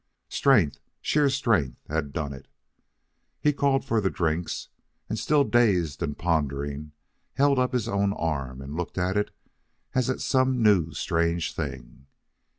Strength, sheer strength, had done it. He called for the drinks, and, still dazed and pondering, held up his own arm, and looked at it as at some new strange thing.